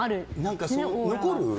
何か残る。